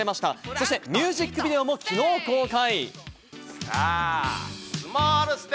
そしてミュージックビデオもきのう公開。